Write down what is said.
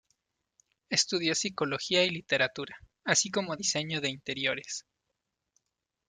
Estudió psicología y literatura, así como diseño de interiores.